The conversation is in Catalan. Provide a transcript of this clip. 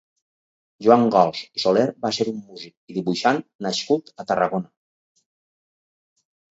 Joan Gols i Soler va ser un músic i dibuixant nascut a Tarragona.